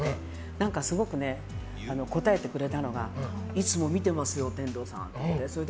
何か、すごく答えてくれたのがいつも見てますよ、天童さんって。